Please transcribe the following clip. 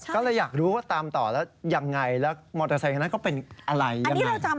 ก็เลยอยากรู้ว่าตามต่อแล้วยังไงแล้วมอเตอร์ไซค์คนนั้นก็เป็นอะไรยังไง